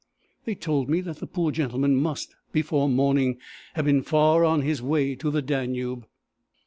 They told me that the poor gentleman must, before morning, have been far on his way to the Danube.